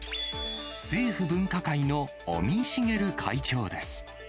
政府分科会の尾身茂会長です。